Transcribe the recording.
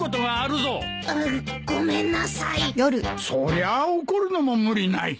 そりゃあ怒るのも無理ない。